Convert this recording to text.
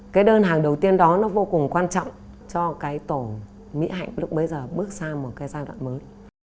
cái đơn hàng đầu tiên đó nó vô cùng quan trọng cho cái tổ mỹ hạnh lúc bấy giờ bước sang một cái giai đoạn mới